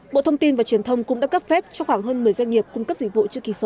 bộ thông tin và truyền thông cũng đã cấp phép cho khoảng hơn một mươi doanh nghiệp cung cấp dịch vụ chữ ký số